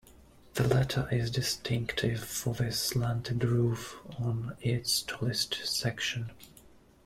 The latter is distinctive for the slanted roof on its tallest section.